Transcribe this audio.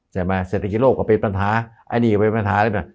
ใช่ไหมเสร็จที่โลกก็เป็นปัญหาอันนี้ก็เป็นปัญหาเลยนะ